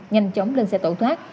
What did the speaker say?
nhanh chóng lên xe tổ thoát